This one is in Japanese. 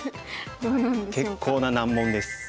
結構な難問です。